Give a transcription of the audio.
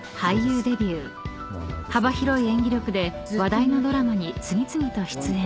［幅広い演技力で話題のドラマに次々と出演］